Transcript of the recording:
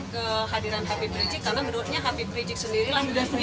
ke hadiran habib rijik karena menurutnya habib rijik sendiri